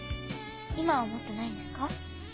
今は思ってないんですか？